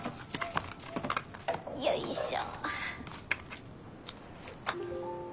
よいしょ。